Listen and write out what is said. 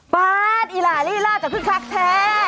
ปาดอีหลาลีลาจะคึกคักแท้